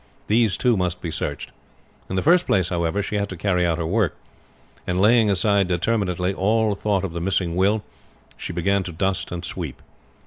These, too, must be searched. In the first place, however, she had to carry out her work; and laying aside determinately all thought of the missing will, she began to dust and sweep.